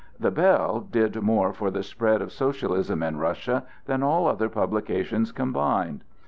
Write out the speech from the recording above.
"The Bell" did more for the spread of socialism in Russia than all other publications combined.